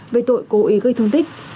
về tội cố ý gây thương tích